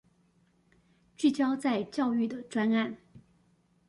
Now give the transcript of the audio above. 聚焦在教育的專案